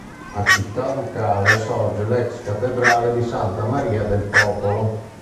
A Cittaducale sorge l'ex cattedrale di Santa Maria del Popolo.